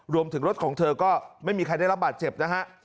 รวมถึงรถของเธอก็ไม่มีใครได้รับบาดเจ็บนะฮะ